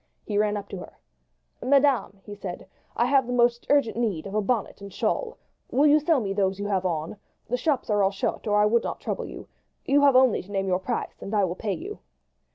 He ran up to her. "Madam," he said, "I have the most urgent need of a bonnet and shawl. Will you sell me those you have on? The shops are all shut, or I would not trouble you. You have only to name your price, and I will pay you."